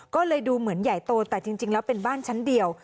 ก็เลยดูเหมือนใหญ่โตแต่จริงแล้วเป็นบ้านชั้นเดียว